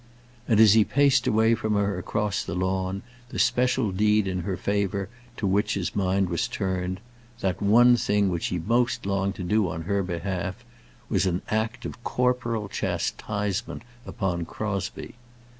And as he paced away from her across the lawn, the special deed in her favour to which his mind was turned, that one thing which he most longed to do on her behalf, was an act of corporal chastisement upon Crosbie.